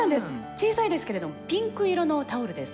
小さいですけれどもピンク色のタオルです。